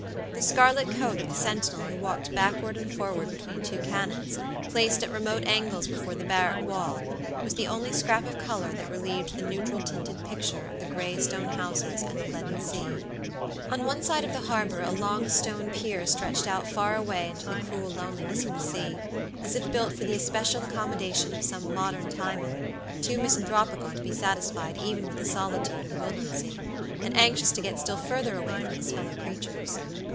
The scarlet coat of the sentinel who walked backward and forward between two cannons, placed at remote angles before the barrack wall, was the only scrap of color that relieved the neutral tinted picture of the gray stone houses and the leaden sea. On one side of the harbor a long stone pier stretched out far away into the cruel loneliness of the sea, as if built for the especial accommodation of some modern Timon, too misanthropical to be satisfied even with the solitude of Wildernsea, and anxious to get still further away from his fellow creatures.